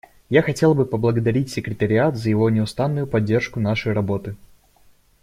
Я хотела бы поблагодарить секретариат за его неустанную поддержку нашей работы.